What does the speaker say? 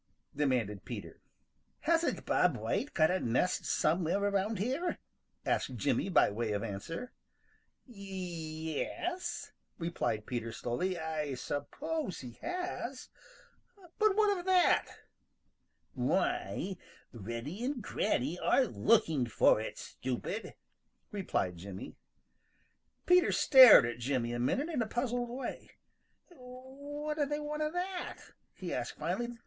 demanded Peter. "Hasn't Bob White got a nest somewhere around here?" asked Jimmy by way of answer. "Y e s," replied Peter slowly, "I suppose he has. But what of that?" "Why, Reddy and Granny are looking for it, stupid," replied Jimmy. Peter stared at Jimmy a minute in a puzzled way. "What do they want of that?" he asked finally.